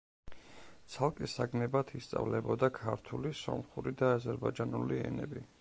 ცალკე საგნებად ისწავლებოდა ქართული, სომხური და აზერბაიჯანული ენები.